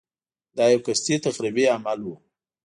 دا یو قصدي تخریبي عمل و.